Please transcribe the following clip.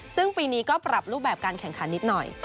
ซึ่งปีนี้ก็ปรับรูปแบบการแข่งขันนิดหน่อย